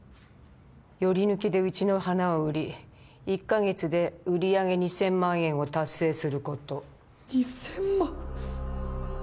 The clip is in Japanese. ヨリヌキでうちの花を売り１か月で売上２０００万円を達成すること２０００万？